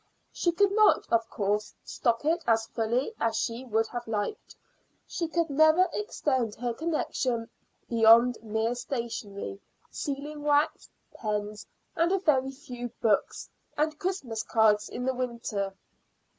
She could not, of course, stock it as fully as she would have liked; she could never extend her connection beyond mere stationery, sealing wax, pens, and a very few books, and Christmas cards in the winter.